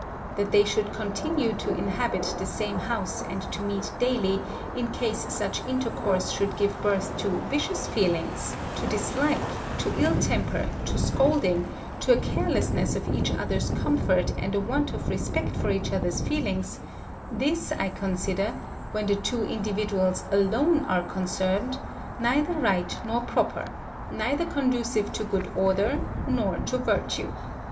That they should continue to inhabit the same house and to meet daily, in case such intercourse should give birth to vicious feelings, to dislike, to ill temper, to scolding, to a carelessness of each other's comfort and a want of respect for each other's feelings, this I consider, when the two individuals alone are concerned, neither right nor proper; neither conducive to good order nor to virtue.